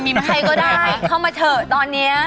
มีมาให้ก็ได้เข้ามาเถอะตอนนี้